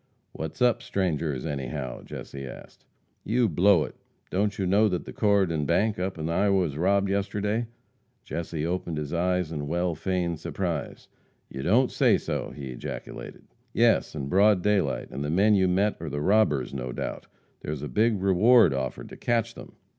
"What's up, strangers, anyhow?" Jesse asked. "You blow it! Don't you know that the Corydon bank, up in Iowa, was robbed yesterday." Jesse opened his eyes in well feigned surprise. "You don't say so!" he ejaculated. "Yes, in broad daylight, and the men you met are the robbers, no doubt. There's a big reward offered to catch them."